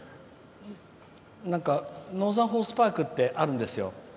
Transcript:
ノーザンホースパークってあるんですよ。